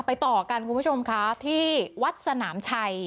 ต่อกันคุณผู้ชมค่ะที่วัดสนามชัย